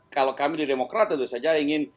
kalau kami di demokrat tentu saja ingin